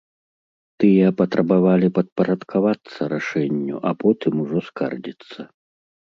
Тыя патрабавалі падпарадкавацца рашэнню, а потым ужо скардзіцца.